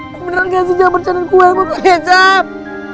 lu beneran gak sih jangan bercanda dengan gua yang butuh kicap